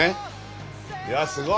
いやすごい！